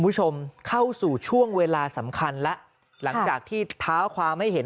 คุณผู้ชมเข้าสู่ช่วงเวลาสำคัญแล้วหลังจากที่เท้าความให้เห็น